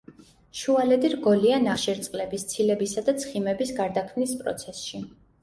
შუალედი რგოლია ნახშირწყლების, ცილებისა და ცხიმების გარდაქმნის პროცესში.